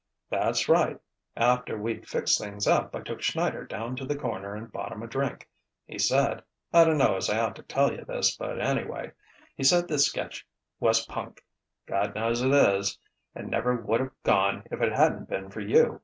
"That's right. After we'd fixed things up I took Schneider down to the corner and bought him a drink. He said I dunno as I ought to tell you this, but anyway he said the sketch was punk (God knows it is) and never would've gone if it hadn't been for you.